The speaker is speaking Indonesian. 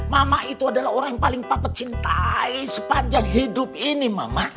mama itu adalah orang yang paling papa cintai sepanjang hidup ini mama